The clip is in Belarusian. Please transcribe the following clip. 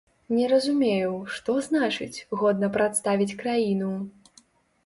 Не разумею, што значыць, годна прадставіць краіну?